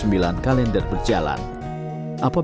apabila hilal terjadi rukyat akan berjalan ke tempat lain